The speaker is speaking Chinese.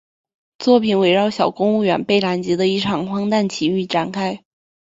作品围绕小公务员贝兰吉的一场荒诞奇遇展开。